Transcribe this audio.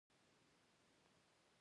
ازادي راډیو د هنر بدلونونه څارلي.